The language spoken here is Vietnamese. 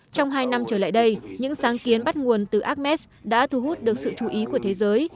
trong hai năm trở lại đây những sáng kiến bắt nguồn từ ames đã thu hút được sự chú ý của thế giới